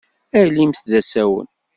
Alimt d asawen.